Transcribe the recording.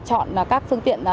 chọn các phương tiện